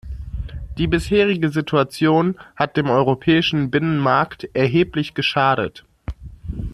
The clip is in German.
Die bisherige Situation hat dem europäischen Binnenmarkt erheblich geschadet.